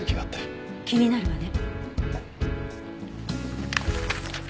気になるわね。